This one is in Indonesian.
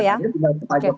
benarnya tidak ada